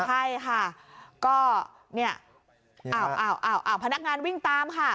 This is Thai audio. ใช่ค่ะก็เนี้ยอ้าวอ้าวอ้าวอ้าวพนักงานวิ่งตามค่ะ